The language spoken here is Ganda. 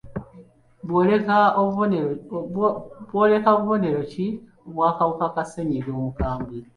Bw'oleko era Bubonero ki obw'akawuka ka ssennyiga omukambwe?